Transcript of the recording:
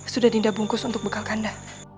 sudah dinda bungkus untuk bekal anda